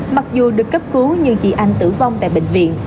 mặc dù được cấp cứu nhưng chị anh tử vong tại bệnh viện